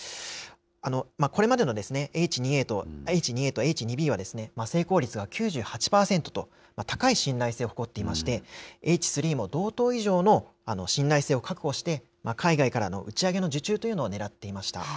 これまでのＨ２ＡとＨ２Ｂは、成功率が９８％と高い信頼性を誇っていまして、Ｈ３も同等以上の信頼性を確保して、海外からの打ち上げの受注というのをねらっていました。